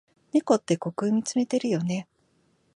猫って虚空みつめてるよね。